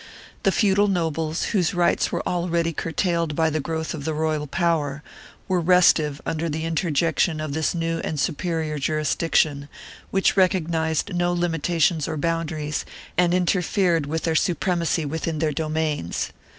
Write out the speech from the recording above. The feudal nobles, whose rights were already curtailed by the growth of the royal power, were restive under the interjection of this new and superior jurisdiction, which recognized no limitations or boundaries and interfered with their supremacy within their domains.